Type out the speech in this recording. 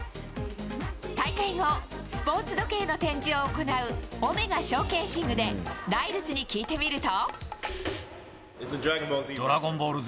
大会後スポーツ時計の展示を行うオメガショーケーシングでライルズに聞いてみると。